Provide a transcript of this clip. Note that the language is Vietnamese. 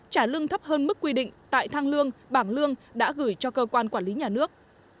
trả lương thấp hơn mức quy định tại thang lương bảng lương đã gửi cho cơ quan quản lý nhà nước